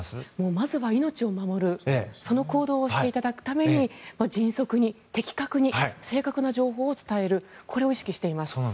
まずは命を守るその行動をしていただくために迅速に、的確に正確な情報を伝えることを意識しています。